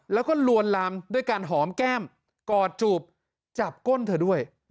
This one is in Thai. แล้วก็ลวนลามด้วยการหอมแก้มกอดจูบจับก้นเธอด้วย